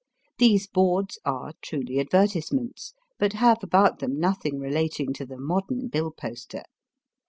These boards are truly advertisements, but have about them nothing relating to the modem bill poster.